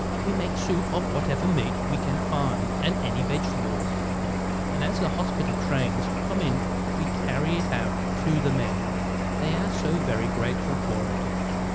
We make soup of whatever meat we can find and any vegetables, and as the hospital trains come in we carry it out to the men. They are so very grateful for it."